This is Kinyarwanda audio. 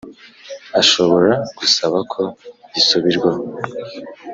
ashobora gusaba ko gisubirwaho